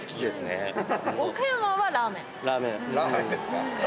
ラーメンですか。